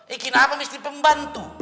ikin apa miskin pembantu